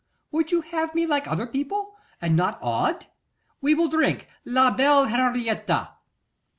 Would you have me like other people and not odd? We will drink _la belle Henriette!